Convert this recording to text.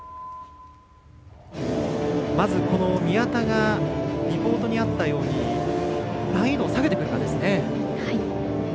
まず宮田がリポートにあったように難易度を下げてくるかですね。